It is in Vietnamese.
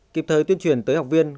kịp thời tuyên truyền tới học viên